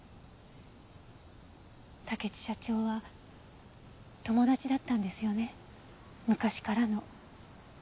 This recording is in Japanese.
竹地社長は友達だったんですよね昔からの。